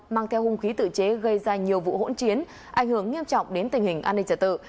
mang theo hung khí tự chế gây ra nhiều vụ hỗn chiến ảnh hưởng nghiêm trọng đến tình hình an ninh trật tự